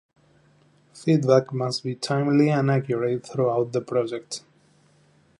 Feedback must be timely and accurate throughout the project.